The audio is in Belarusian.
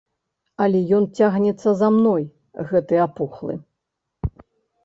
Але ён цягнецца за мной, гэты апухлы.